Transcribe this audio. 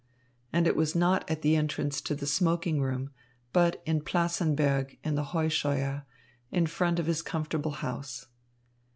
And it was not at the entrance to the smoking room, but in Plassenberg in the Heuscheuer, in front of his comfortable house.